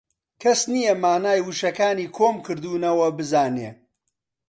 کەس نییە مانای وشەکانی کۆم کردوونەوە بزانێ